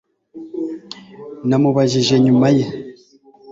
Namubajije nyuma ye